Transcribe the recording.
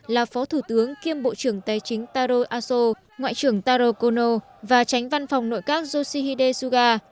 là phó thủ tướng kiêm bộ trưởng tài chính taro aso ngoại trưởng taro kono và tránh văn phòng nội các yoshihide suga